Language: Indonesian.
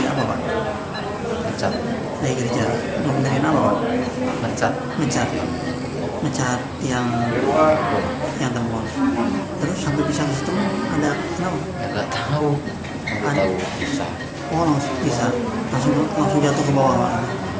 luka bakar terjadi di sekujur tubuh korban